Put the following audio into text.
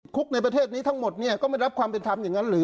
ในประเทศนี้ทั้งหมดเนี่ยก็ไม่รับความเป็นธรรมอย่างนั้นหรือ